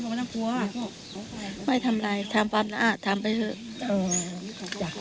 ผมไม่ต้องกลัวไม่ทำอะไรทำความสะอาดทำไปเถอะเออ